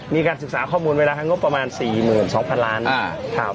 มีการศึกษาข้อมูลไปแล้วก็น่บประมาณ๔๒๐๐๐ล้านครับ